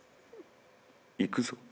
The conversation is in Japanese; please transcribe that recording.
行くぞ。